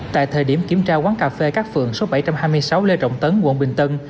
tại thời điểm kiểm tra quán cà phê các phượng số bảy trăm hai mươi sáu lê trọng tấn quận bình tân